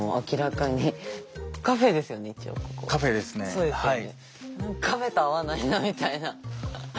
そうですよね。